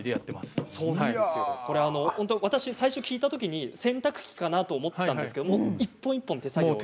私、最初聞いたときに洗濯機かなと思ったんですけど一本一本、手作業で。